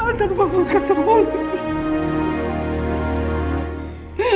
ntar papa ke kantor polisi